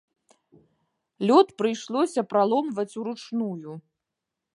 Лёд прыйшлося праломваць ўручную.